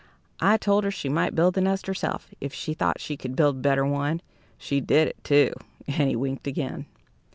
I told her she might build the nest herself, if she thought she could build a better one. She did it, too!" And he winked again.